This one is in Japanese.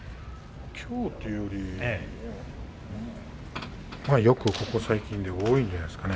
きょうというよりよくここ最近多いんじゃないですかね